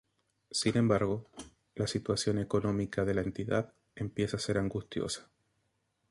Sin embargo, la situación económica de la entidad empieza a ser angustiosa.